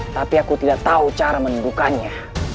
tapi aku tidak tahu cara menundukannya